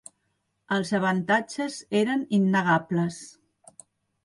Els avantatges eren innegables.